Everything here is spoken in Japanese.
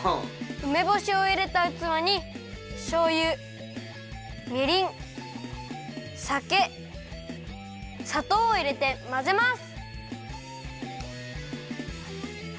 うめぼしをいれたうつわにしょうゆみりんさけさとうをいれてまぜます！